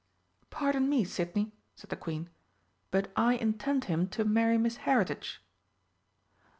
"Pardon me, Sidney," said the Queen, "but I intend him to marry Miss Heritage."